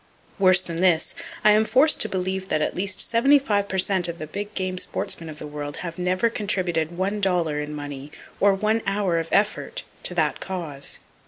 Worse than this, I am forced to believe that at least 75 per cent of the big game sportsmen of the world never have contributed one dollar in money, or one hour of effort, to that cause.